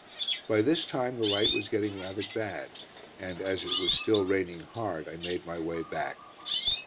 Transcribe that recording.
By this time the light was getting rather bad, and as it was still raining hard I made my way back.